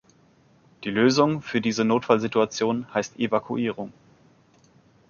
Die Lösung für diese Notfallsituation heißt Evakuierung.